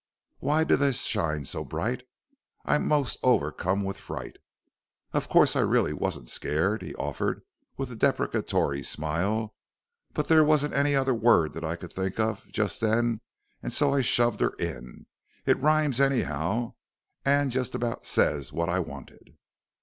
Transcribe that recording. Why do they shine so bright? I'm most o'ercome with fright "Of course I reely wasn't scared," he offered with a deprecatory smile, "but there wasn't any other word that I could think of just then an' so I shoved her in. It rhymes anyhow an' just about says what I wanted."